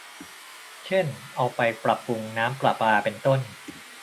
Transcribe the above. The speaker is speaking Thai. เช่น เอาไปปรับปรุงน้ำประปา เป็นต้น